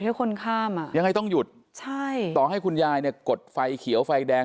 ให้คนข้ามอ่ะยังไงต้องหยุดใช่ต่อให้คุณยายเนี่ยกดไฟเขียวไฟแดง